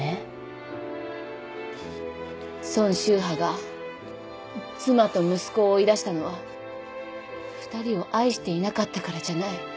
波が妻と息子を追い出したのは２人を愛していなかったからじゃない。